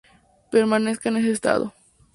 Permanezca en ese estado.